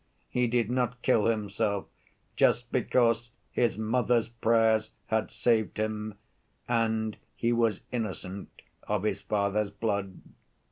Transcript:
He did not kill himself just because 'his mother's prayers had saved him,' and he was innocent of his father's blood.